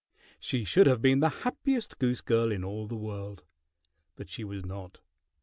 She should have been the happiest goose girl in all the world, but she was not.